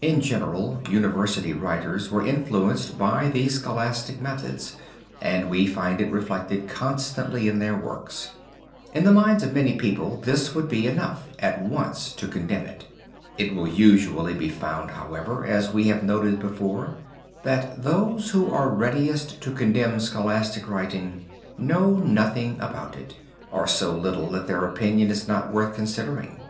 In general, university writers were influenced by the scholastic methods and we find it reflected constantly in their works. In the minds of many people this would be enough at once to condemn it. It will usually be found, however, as we have noted before, that those who are readiest to condemn scholastic writing know nothing about it, or so little that their opinion is not worth considering.